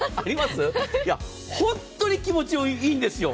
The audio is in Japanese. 本当に気持ちいいんです。